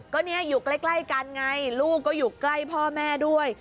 ก็เนี่ยอยู่ใกล้กันไงลูกก็อยู่ใกล้พ่อแม่ด้วย